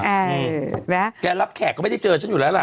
ไงไม่เหรอไงแอลับแขกก็ไม่ได้เจอฉันอยู่แล้วล่ะ